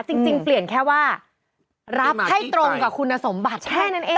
จริงเปลี่ยนแค่ว่ารับให้ตรงกับคุณสมบัติแค่นั้นเอง